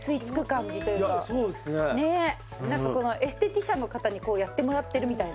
このエステティシャンの方にやってもらってるみたいな。